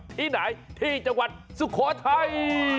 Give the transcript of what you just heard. ที่ไหนที่จังหวัดสุโขทัย